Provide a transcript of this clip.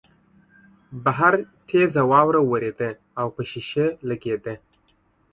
بهر تېزه واوره ورېده او په شیشه لګېده